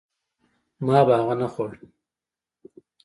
ما به هغه نه خوړ.